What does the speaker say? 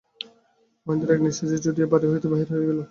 মহেন্দ্র এক নিশ্বাসে ছুটিয়া বাড়ি হইতে বাহির হইয়া গেল।